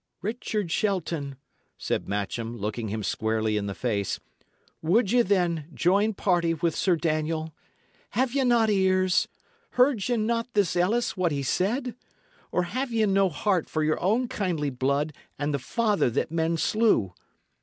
"Richard Shelton," said Matcham, looking him squarely in the face, "would ye, then, join party with Sir Daniel? Have ye not ears? Heard ye not this Ellis, what he said? or have ye no heart for your own kindly blood and the father that men slew?